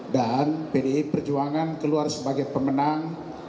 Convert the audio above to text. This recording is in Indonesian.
dan pdi perjuangan keluar sebagai pemenang